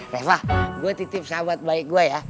reva gue titip sahabat baik gue ya